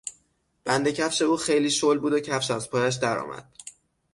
بند کفش او خیلی شل بود و کفش از پایش درآمد.